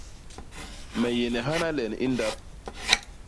Me yéne hana len i ndap.